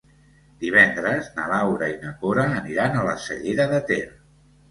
Divendres na Laura i na Cora aniran a la Cellera de Ter.